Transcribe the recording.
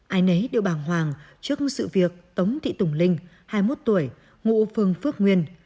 ai nấy đều bàng hoàng trước sự việc tống thị tùng linh hai mươi một tuổi ngụ phương phước nguyên